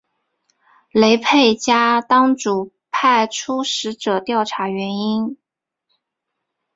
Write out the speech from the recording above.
雷沛家当主派出使者调查原因。